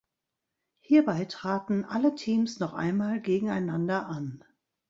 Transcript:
Hierbei traten alle Teams noch einmal gegeneinander an.